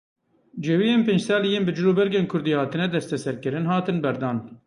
Cêwiyên pênc salî yên bi cilûbergên kurdî hatine desteserkirin, hatin erdan.